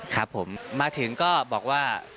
ครับผมมาถึงก็บอกว่า